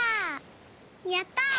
やった！